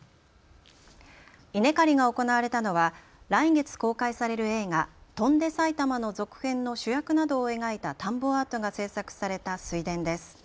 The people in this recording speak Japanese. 稲刈りが行われたのは来月公開される映画、翔んで埼玉の続編の主役などを描いた田んぼアートが制作された水田です。